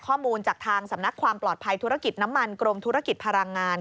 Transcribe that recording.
ข้อมูลจากทางสำนักความปลอดภัยธุรกิจน้ำมันกรมธุรกิจพลังงาน